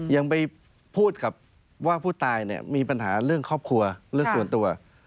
ยังไปพูดกับว่าผู้ตายเนี่ยมีปัญหาเรื่องครอบครัวเรื่องส่วนตัว